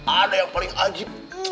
ada yang paling ajib